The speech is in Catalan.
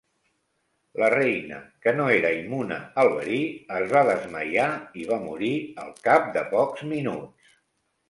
La reina, que no era immune al verí, es va desmaiar i va morir al cap de pocs minuts.